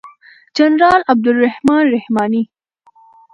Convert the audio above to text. جنرال عبدالرحمن رحماني